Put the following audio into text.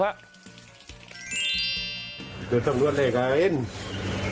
ท่านสงสัยด้วนเลขาอ๋อเห้นญนาค